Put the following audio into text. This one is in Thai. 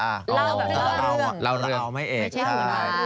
เล่าแบบเล่าเรื่องไม่ใช่ฮุระเล่าเรื่องไม่ใช่เหล้าเรื่อง